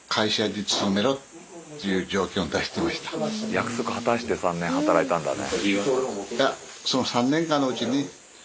約束果たして３年働いたんだね。